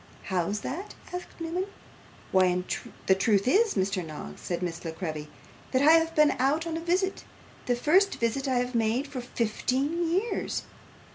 'How's that?' asked Newman. 'Why, the truth is, Mr. Noggs,' said Miss La Creevy, 'that I have been out on a visit the first visit I have made for fifteen years.